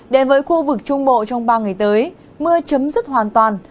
đến với khu vực trung bộ trong ba ngày tới mưa chấm dứt hoàn toàn